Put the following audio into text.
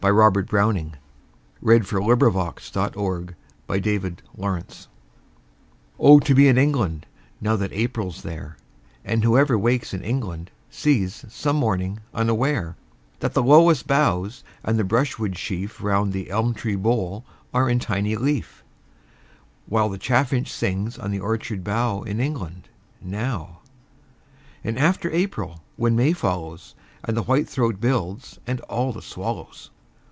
Robert Browning Home Thoughts, From Abroad OH, to be in England Now that April's there, And whoever wakes in England Sees, some morning, unaware, That the lowest boughs and the brush wood sheaf Round the elm tree bole are in tiny leaf, While the chaffinch sings on the orchard bough In England now! And after April, when May follows, And the whitethroat builds, and all the swallows!